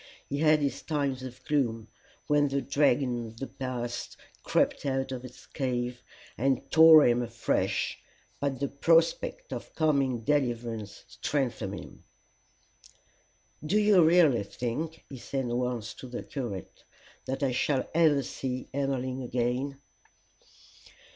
He had his times of gloom, when the dragon of the past crept out of its cave, and tore him afresh; but the prospect of coming deliverance strengthened him. "Do you really think," he said once to the curate, "that I shall ever see Emmeline again?"